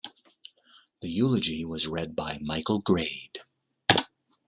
The eulogy was read by Michael Grade.